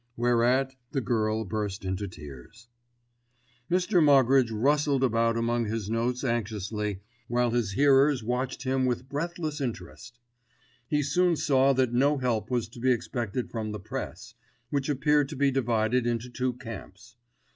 Whereat the girl burst into tears. Mr. Moggridge rustled about among his notes anxiously, whilst his hearers watched him with breathless interest. He soon saw that no help was to be expected from the Press, which appeared to be divided into two camps.